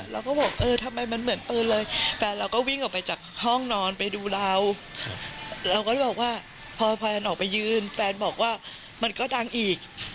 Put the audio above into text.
เราก็บอกเออทำไมมันเหมือนปืนเลยแฟนเราก็วิ่งออกไปจากห้องนอนไปดูเราเราก็เลยบอกว่าพอแฟนออกไปยืนแฟนบอกว่ามันก็ดังอีก